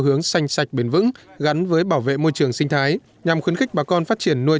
hướng xanh sạch bền vững gắn với bảo vệ môi trường sinh thái nhằm khuyến khích bà con phát triển nuôi